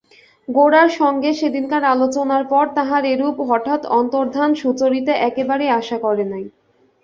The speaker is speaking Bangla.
গোরার সঙ্গে সেদিনকার আলোচনার পর তাহার এরূপ হঠাৎ অন্তর্ধান সুচরিতা একেবারেই আশা করে নাই।